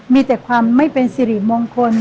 มีแต่ความไม่เป็นสิริมงคล